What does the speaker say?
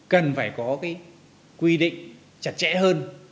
cần phải có quy định chặt chẽ hơn